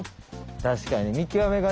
確かに見極めがね